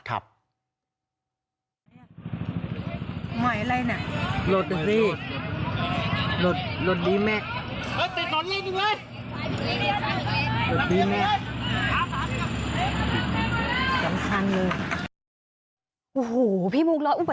โรดดีแมค